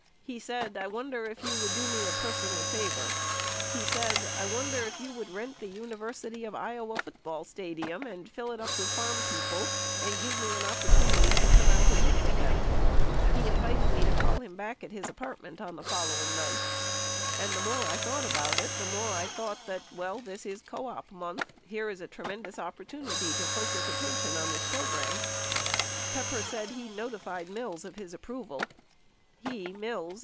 he said, 'I wonder if you would do me a personal favor ...,' he said, 'I wonder if you would rent the University of Iowa football stadium and fill it with farm people and give me an opportunity to come out and meet with (them) ....' he invited me to call him back at his apartment on the following night. ... And the more I thought about it, the more I thought that, well, this is co op month. Here is a tremendous opportu nity to focus attention on this program." 44 Pepper said he notified Mills of his approval. "He (Mills)